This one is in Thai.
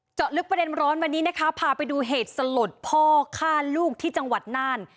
เจาะลึกประเด็นร้อนวันนี้นะคะพาไปดูเหตุสลดพ่อฆ่าลูกที่จังหวัดน่าน